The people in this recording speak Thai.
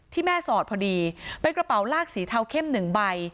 แม่สอดพอดีเป็นกระเป๋าลากสีเทาเข้มหนึ่งใบ